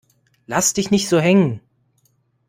Lass dich nicht so hängen!